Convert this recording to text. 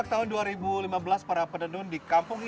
sampai dua jam